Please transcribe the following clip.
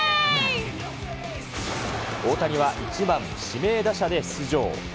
大谷は１番指名打者で出場。